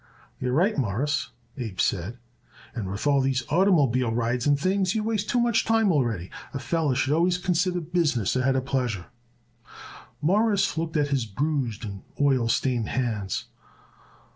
"You're right, Mawruss," Abe said, "and with all these oitermobile rides and things you waste too much time already. A feller should always consider business ahead of pleasure." Morris looked at his bruised and oil stained hands.